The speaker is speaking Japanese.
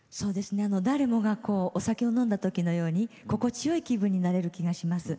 誰もがお酒を飲んだときのように心地よい気分になれる気がします。